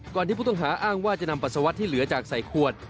ที่ผู้ต้องหาอ้างว่าจะนำปัสสาวะที่เหลือจากใส่ขวด